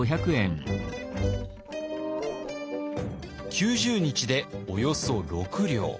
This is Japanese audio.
９０日でおよそ６両。